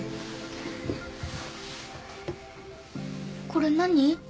これ何？